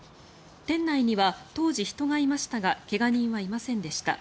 店内には当時、人がいましたが怪我人はいませんでした。